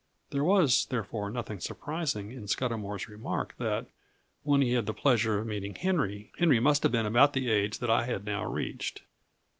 There was, therefore, nothing surprising in Scudamour's remark that, when he had the pleasure of meeting Henry, Henry must have been about the age that I had now reached.